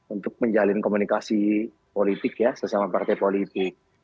untuk menjalin komunikasi politik ya sesama partai politik